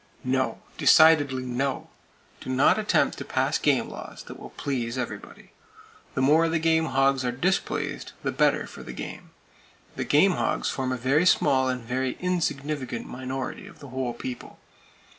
No, decidedly no! Do not attempt to pass game laws that will "please everybody." The more the game hogs are displeased, the better for the game! The game hogs form a very small and very insignificant minority of the whole People.